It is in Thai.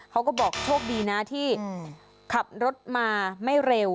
เขาก็บอกโชคดีนะที่ขับรถมาไม่เร็ว